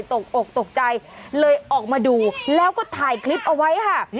ตกอกตกใจเลยออกมาดูแล้วก็ถ่ายคลิปเอาไว้ค่ะ